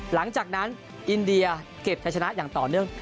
หลังจากนั้นอินเดียเก็บใช้ชนะอย่างต่อเนื่อง